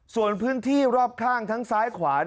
ส่วนพื้นที่รอบข้างทั้งซ้ายขวา